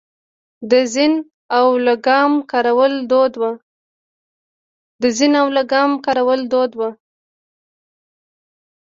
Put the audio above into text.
د زین او لګام کارول دود و